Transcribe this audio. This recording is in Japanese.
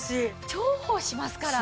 重宝しますから。